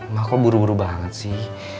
mah kok buru buru banget sih